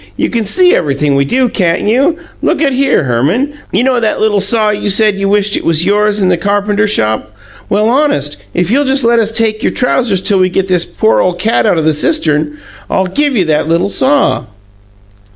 You can see everything we do, can't you? Look at here, Herman: you know that little saw you said you wished it was yours, in the carpenter shop? Well, honest, if you'll just let us take your trousers till we get this poor ole cat out the cistern, I'll give you that little saw."